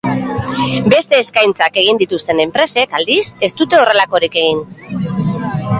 Beste eskaintzak egin dituzten enpresek, aldiz, ez dute horrelakorik egin.